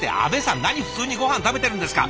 何普通にごはん食べてるんですか！